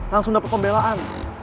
langsung dapet pembelaan